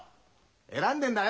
選んでんだよ！